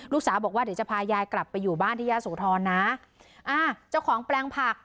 ลูกสาวบอกว่าเดี๋ยวจะพายายกลับไปอยู่บ้านที่ย่าโสธรนะอ่าเจ้าของแปลงผัก